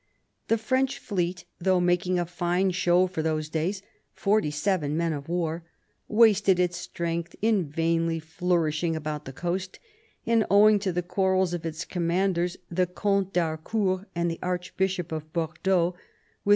The French fleet, though making a fine show for those days — forty seven men of war — wasted its strength in vainly flourishing about the coast; and owing to the quarrels of its commanders, the Comte d'Harcourt and the Archbishop of Bordeaux, with M.